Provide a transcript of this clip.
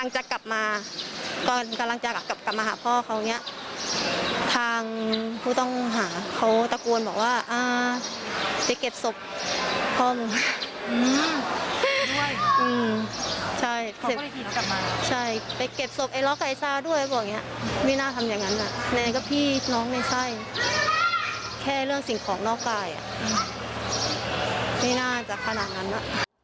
ใช่แค่เรื่องสิ่งของนอกกายไม่น่าจะขนาดนั้น